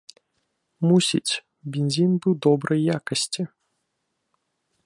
Мусіць, бензін быў добрай якасці.